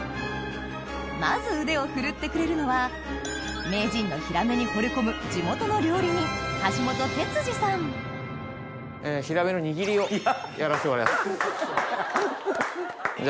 まず腕を振るってくれるのは名人のヒラメにほれ込む地元の料理人ヒラメの握りをやらせてもらいます。